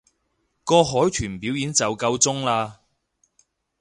個海豚表演就夠鐘喇